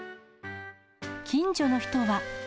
近所の人は。